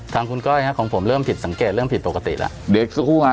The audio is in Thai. ทางคุณก้อยของผมเริ่มผิดสังเกตเริ่มผิดปกติละ